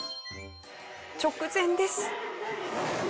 直前です。